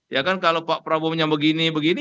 ya kan kalau pak prabowo nya begini begini